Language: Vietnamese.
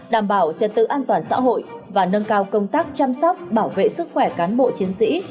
đảm bảo trật tự an toàn xã hội và nâng cao công tác chăm sóc bảo vệ sức khỏe cán bộ chiến sĩ